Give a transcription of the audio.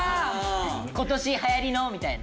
今年流行りのみたいな。